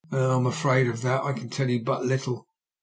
"Ah! I'm afraid of that I can tell you but little.